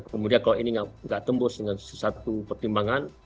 kemudian kalau ini nggak tembus dengan sesuatu pertimbangan